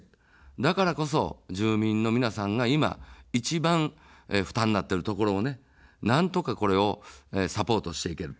だからこそ、住民の皆さんが今、一番負担になっているところをなんとかこれをサポートしていける。